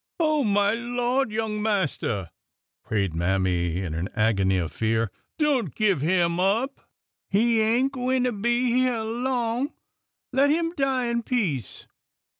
" Oh, my Lord, young master !" prayed Mammy in an agony of fear, " don't give him up ! He ain' gwineter be hyeah long. Let him die in peace